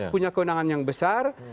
punya kenangan yang besar